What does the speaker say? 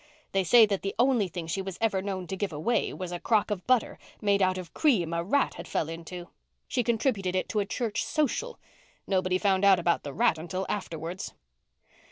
They say that the only thing she was ever known to give away was a crock of butter made out of cream a rat had fell into. She contributed it to a church social. Nobody found out about the rat until afterwards."